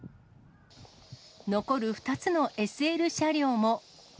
残る２つのＳＬ車両も。